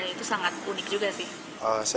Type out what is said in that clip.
itu sangat unik juga sih